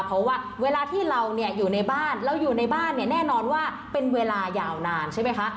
เพราะว่าเวลาที่เราเนี่ยอยู่ในบ้านเราอยู่ในบ้านเนี่ยแน่นอนว่าเป็นเวลายาวนานใช่ไหมคะ